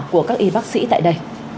của các y bác sĩ tại đây